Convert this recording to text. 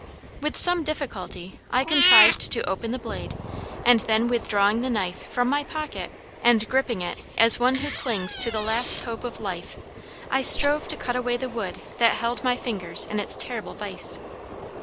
With some difficulty I contrived to open the blade, and then withdrawing the knife from my pocket and gripping it as one who clings to the last hope of life, I strove to cut away the wood that held my fingers in its terrible vise.